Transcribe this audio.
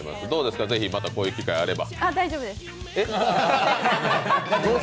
どうですか、ぜひまたこういう機会があれば。